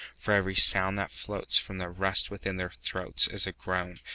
For every sound that floatsFrom the rust within their throatsIs a groan.